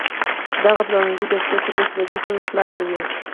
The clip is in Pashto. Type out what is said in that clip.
دغه پلورنځی د شپې تر لسو بجو خلاص وي